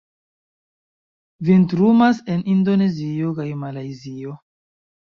Vintrumas en Indonezio kaj Malajzio.